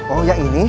oh yang ini